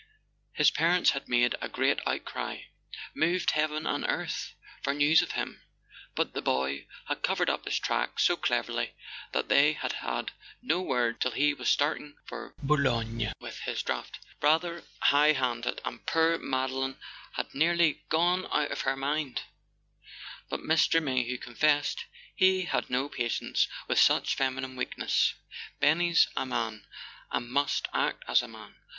His parents had made a great outcry—moved heaven and earth for news of him—but the boy had covered up his tracks so cleverly that they had had no word till he was start¬ ing for Boulogne with his draft. Rather high handed— and poor Madeline had nearly gone out of her mind; but Mr. Mayhew confessed he had no patience with A SON AT THE FRONT such feminine weakness. "Benny's a man, and must act as a man.